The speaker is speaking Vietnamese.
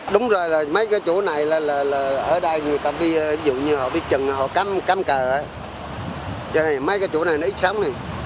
đúng rồi là mấy cái chỗ này là ở đây người ta bị trừng họ cắm cờ mấy cái chỗ này nó ít sống